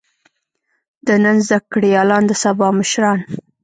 د نن زده کړيالان د سبا مشران.